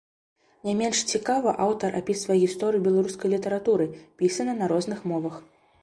Не менш цікава аўтар апісвае гісторыю беларускай літаратуры, пісанай на розных мовах.